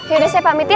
yaudah saya pamit ya